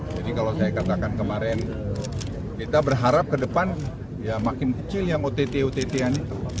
jadi kalau saya katakan kemarin kita berharap ke depan makin kecil yang ott ott ini